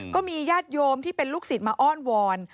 ก็มีญาติโยมที่เป็นลูกศิษย์มาอ้อนวอน